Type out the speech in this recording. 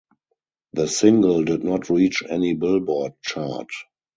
The single did not reach any Billboard chart.